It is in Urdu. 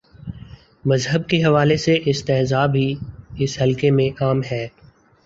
مذہب کے حوالے سے استہزا بھی، اس حلقے میں عام ہے۔